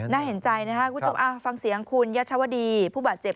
น่าเห็นใจนะครับคุณผู้ชมฟังเสียงคุณยัชวดีผู้บาดเจ็บ